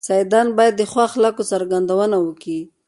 سيدان بايد د ښو اخلاقو څرګندونه وکي.